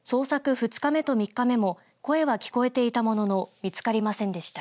２日目と３日目も声は聞こえていたものの見つかりませんでした。